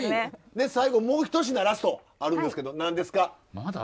最後もうひと品ラストあるんですけど何ですか？